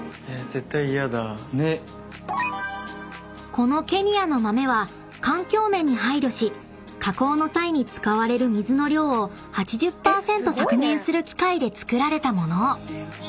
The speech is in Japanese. ［このケニアの豆は環境面に配慮し加工の際に使われる水の量を８０％削減する機械で作られたもの］